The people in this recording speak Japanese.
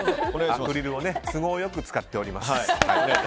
アクリルを都合良く使っております。